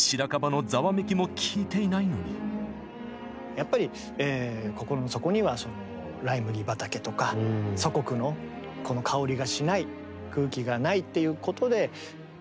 やっぱり心の底にはライ麦畑とか祖国のこのかおりがしない空気がないっていうことでかなり。